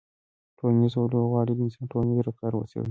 ټولنیز علوم غواړي د انسان ټولنیز رفتار وڅېړي.